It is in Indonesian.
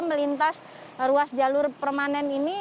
melintas ruas jalur permanen ini